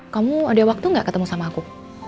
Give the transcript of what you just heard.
kamu ada waktu gak ketemu sama aku